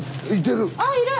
ああいる！